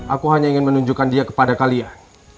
aku hanya ingin menunjukkan dia kepada kalian